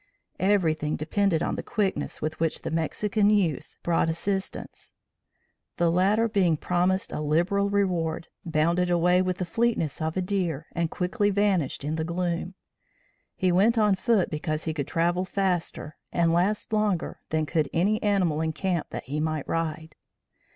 Everything depended on the quickness with which the Mexican youth brought assistance. The latter being promised a liberal reward, bounded away with the fleetness of a deer, and quickly vanished in the gloom. He went on foot because he could travel faster and last longer than could any animal in camp that he might ride.